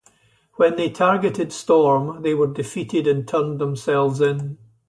When they targeted Storm, they were defeated and turned themselves in.